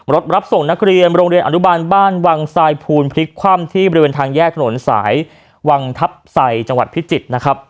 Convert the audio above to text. รับส่งนักเรียนโรงเรียนอนุบาลบ้านวังทรายภูนพลิกคว่ำที่บริเวณทางแยกถนนสายวังทับใส่จังหวัดพิจิตรนะครับ